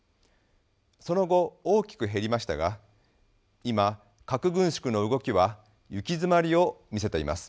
その後大きく減りましたが今核軍縮の動きは行き詰まりを見せています。